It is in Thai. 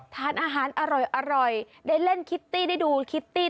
ทานอาหารอร่อยได้เล่นคิตตี้ได้ดูคิตตี้